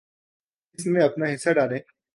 اس میں اپنا حصہ ڈالیں۔